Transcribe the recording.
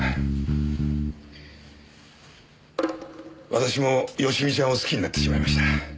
私も佳美ちゃんを好きになってしまいました。